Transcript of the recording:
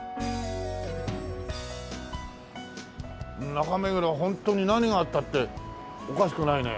中目黒ホントに何があったっておかしくないね。